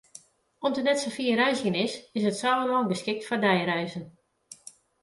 Omdat it net sa fier reizgjen is, is it Sauerlân geskikt foar deireizen.